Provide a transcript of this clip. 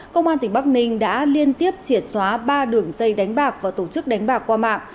công an tỉnh bắc ninh đã liên tiếp triệt xóa ba đường dây đánh bạc và tổ chức đánh bạc qua mạng